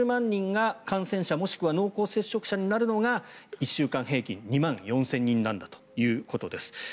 人が感染者もしくは濃厚接触者になるのが１週間平均２万４０００人なんだということです。